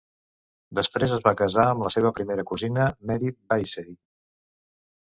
Després es va casar amb la seva primera cosina Mary Veazey.